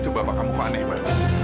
itu bapak kamu kok aneh pak